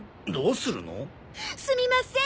すみません。